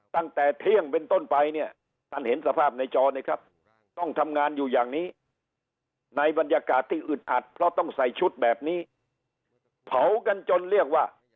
ตั้งแต่เที่ยงเป็นต้นไปเนี่ย